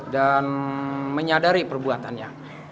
dan menyadari perbuatannya